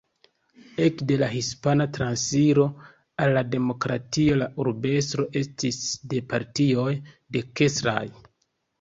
Ekde la Hispana transiro al la demokratio la urbestro estis de partioj dekstraj.